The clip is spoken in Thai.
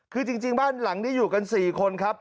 คือจริงบ้านหลังนี้อยู่กัน๔คนครับ